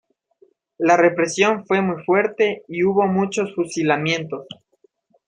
La represión fue muy fuerte y hubo muchos fusilamientos.